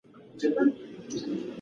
د الله رضا تر هر څه لوړه ده.